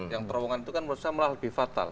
yang terowongan itu kan menurut saya malah lebih fatal